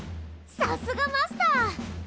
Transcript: さすがマスター！